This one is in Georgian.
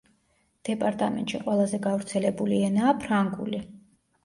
დეპარტამენტში ყველაზე გავრცელებული ენაა ფრანგული.